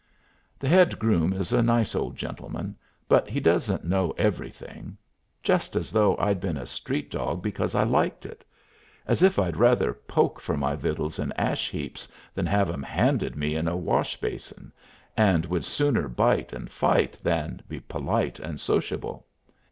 The head groom is a nice old gentleman, but he doesn't know everything. Just as though I'd been a street dog because I liked it! As if I'd rather poke for my vittles in ash heaps than have 'em handed me in a wash basin, and would sooner bite and fight than be polite and sociable.